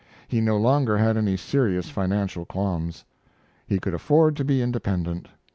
He no longer had any serious financial qualms. He could afford to be independent.